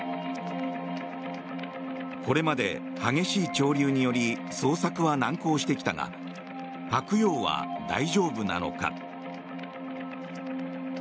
これまで激しい潮流により捜索は難航してきたが「はくよう」は大丈夫なのか。